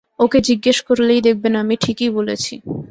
ওকে জিজ্ঞেস করলেই দেখবেন আমি ঠিকই বলেছি।